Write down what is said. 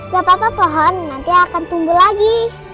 gak apa apa pohon nanti akan tumbuh lagi